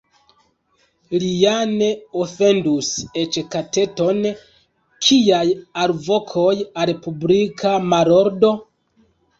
Li ja ne ofendus eĉ kateton, kiaj alvokoj al publika malordo?